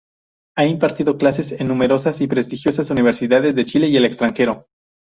Ha impartido clases en numerosas y prestigiosas universidades de Chile y el extranjero.